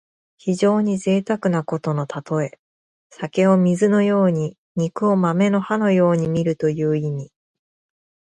非常にぜいたくなことのたとえ。酒を水のように肉を豆の葉のようにみるという意味。